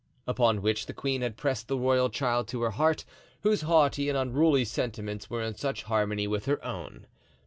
Upon which the queen had pressed the royal child to her heart, whose haughty and unruly sentiments were in such harmony with her own.